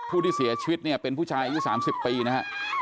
ผู้ที่เสียชีวิตเป็นผู้ชายอายุ๓๐ปีนะครับ